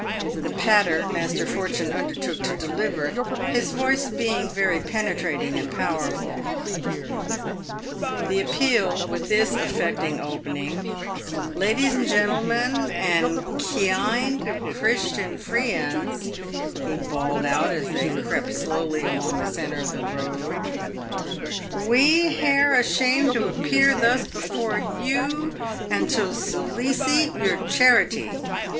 The "patter" Master Fortune undertook to deliver, his voice being very penetrating and powerful. The appeal, with this affecting opening, " Leddies and gentlemen, and keyind Christian free ends," he bawled out as they crept slowly along in the centre of the road ;" we hare ashamed to appear thus before you and to soliceet your charitee.